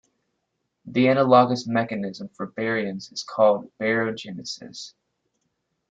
The analogous mechanism for baryons is called baryogenesis.